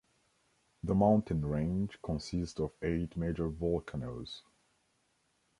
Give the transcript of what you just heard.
The mountain range consists of eight major volcanoes.